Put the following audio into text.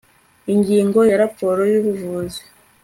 ingingo ya raporo y ubuvuzi